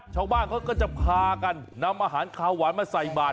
ชาวบ้านเขาก็จะพากันนำอาหารขาวหวานมาใส่บาท